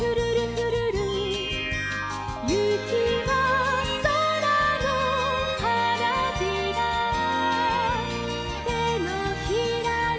「ゆきはそらのはなびら」「てのひらに」「」